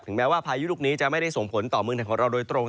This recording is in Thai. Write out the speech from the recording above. แม้ว่าพายุลูกนี้จะไม่ได้ส่งผลต่อเมืองไทยของเราโดยตรง